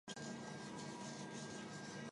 北周改名石城郡。